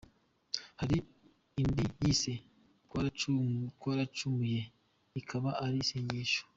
Hari indi yise Twaracumuye, ikaba ari isengesho.